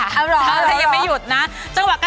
ถ้ายังไม่หยุดนะ